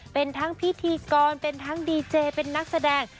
เป็นทั้งพิธีกรเป็นทั้งดีเจเป็นนักแสดง